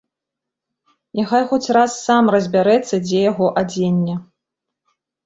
Няхай хоць раз сам разбярэцца, дзе яго адзенне.